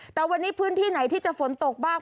แต่วันนี้พื้นที่ไหนที่จะฝนตกบ้าง